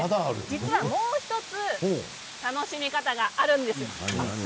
実は、もう１つ楽しみ方があるんです。